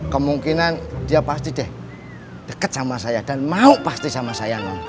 kemungkinan dia pasti deh dekat sama saya dan mau pasti sama saya